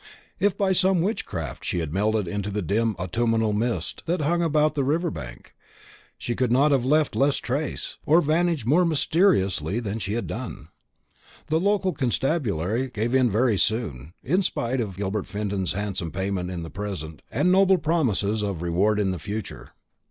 If by some witchcraft she had melted into the dim autumnal mist that hung about the river bank, she could not have left less trace, or vanished more mysteriously than she had done. The local constabulary gave in very soon, in spite of Gilbert Fenton's handsome payment in the present, and noble promises of reward in the future.